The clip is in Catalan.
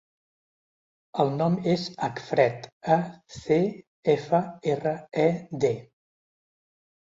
El nom és Acfred: a, ce, efa, erra, e, de.